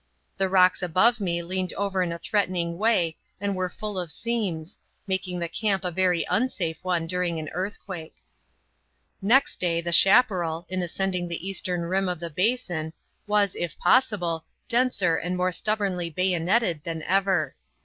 The rocks above me leaned over in a threatening way and were full of seams, making the camp a very unsafe one during an earthquake. Next day the chaparral, in ascending the eastern rim of the basin, was, if possible, denser and more stubbornly bayoneted than ever.